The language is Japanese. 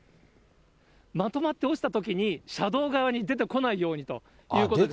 まとまって落ちたときに、車道側に出てこないようにということで。